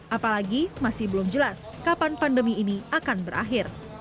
apalagi masih belum jelas kapan pandemi ini akan berakhir